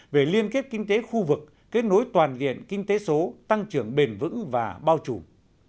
về liên kết kinh tế khu vực kết nối toàn diện kinh tế số tăng trưởng bền vững và bao trùm